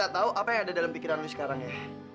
gak tau apa yang ada dalam pikiran lo sekarang ya